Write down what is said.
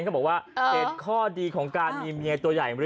เขาบอกว่าเหตุข้อดีของการมีเมียตัวใหญ่